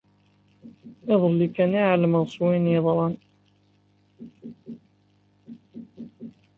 Iḍelli kan i ɛelmeɣ s wayen yeḍran.